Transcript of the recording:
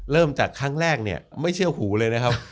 เริ่มจากครั้งแรกเนี่ยไม่เชื่อหูเลยนะครับ